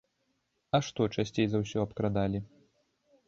А што часцей за ўсё абкрадалі?